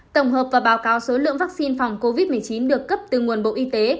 tổng hợp và báo cáo số lượng vaccine phòng covid một mươi chín được cấp từ nguồn bộ y tế